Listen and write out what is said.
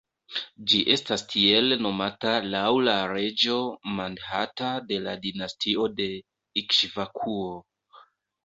Ĝi estas tiel nomata laŭ la reĝo Mandhata de la dinastio de Ikŝvakuo.